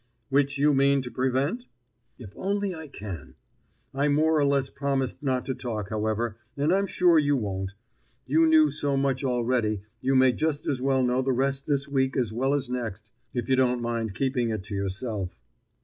"Which you mean to prevent?" "If only I can! I more or less promised not to talk, however, and I'm sure you won't. You knew so much already, you may just as well know the rest this week as well as next, if you don't mind keeping it to yourself."